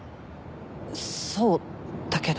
そうだけど。